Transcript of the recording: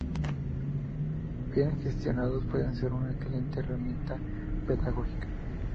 Bien gestionados, pueden ser una excelente herramienta pedagógica.